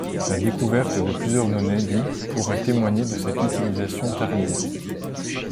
La découverte de plusieurs monnaies du pourrait témoigner de cette utilisation tardive.